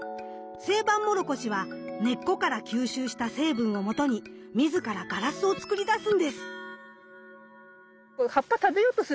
セイバンモロコシは根っこから吸収した成分をもとに自らガラスを作りだすんです。